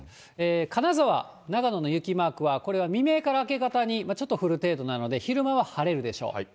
金沢、長野の雪マークは、これは未明から明け方に、ちょっと降る程度なので、昼間は晴れるでしょう。